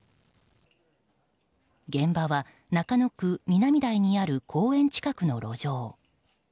現場は中野区南台にある公園近くの路上。